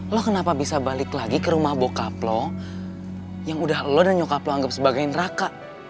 lo kenapa bisa balik lagi ke rumah bokap lo yang udah lo dan nyokap lo anggap sebagai neraka